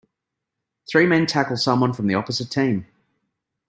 Three men tackle someone from the opposite team.